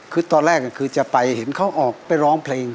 คือตอนแรกคือจะไปเห็นเขาออกไปร้องเพลง